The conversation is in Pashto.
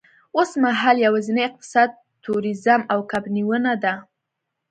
اوسمهال یوازېنی اقتصاد تورېزم او کب نیونه ده.